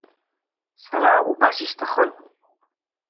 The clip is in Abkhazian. Сара убас исҭахын.